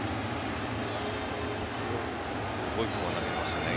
すごい球を投げましたね